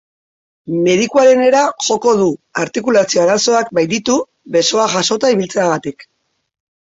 Medikuarenera joko du, artikulazio-arazoak baititu besoak jasota ibiltzeagatik.